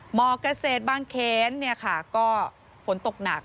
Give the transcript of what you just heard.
หมอกเกษตรบางเคนเนี่ยค่ะก็ฝนตกหนัก